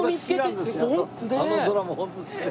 あのドラマホント好きで。